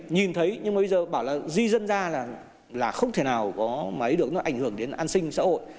nhìn thấy nhưng mà bây giờ bảo là di dân ra là không thể nào có mấy được nó ảnh hưởng đến an sinh xã hội